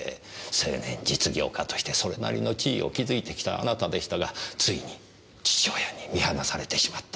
青年実業家としてそれなりの地位を築いてきたあなたでしたがついに父親に見放されてしまった。